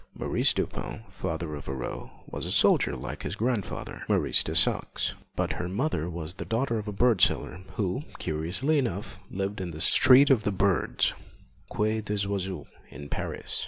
Maurice Dupin, father of Aurore, was a soldier like his grandfather, Maurice de Saxe; but her mother was the daughter of a bird seller, who, curiously enough, lived in the 'Street of the Birds' (Quai des Oiseaux) in Paris.